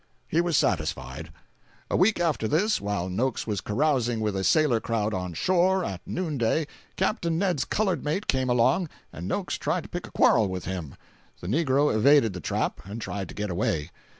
He was satisfied. A week after this, while Noakes was carousing with a sailor crowd on shore, at noonday, Capt. Ned's colored mate came along, and Noakes tried to pick a quarrel with him. The negro evaded the trap, and tried to get away.